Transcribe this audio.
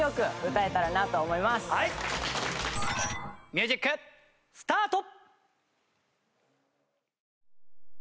ミュージックスタート！